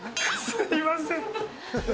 すみません。